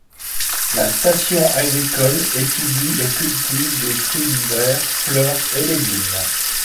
La station agricole étudie et cultive des fruits d'hiver, fleurs et légumes.